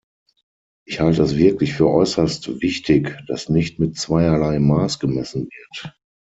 Ich halte es wirklich für äußerst wichtig, dass nicht mit zweierlei Maß gemessen wird.